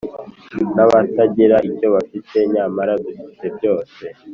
N abatagira icyo bafite nyamara dufite byose